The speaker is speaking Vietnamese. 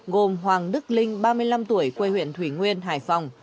gồm hoàng đức linh ba mươi năm tuổi quê huyện thủy nguyên hải phòng